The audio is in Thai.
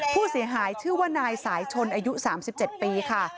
ผู้เสียหายชื่อว่านายสายชนอายุ๓๗ปีค่ะ